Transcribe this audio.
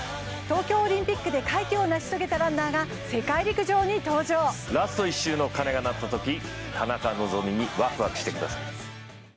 東京オリンピックで快挙を成し遂げたランナーが世界陸上に登場ラスト１周の鐘が鳴ったとき田中希実にワクワクしてください